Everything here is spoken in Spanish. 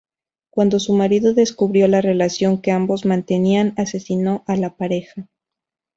Cuando su marido descubrió la relación que ambos mantenían, asesinó a la pareja.